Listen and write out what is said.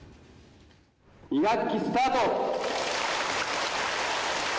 ２学期スタート。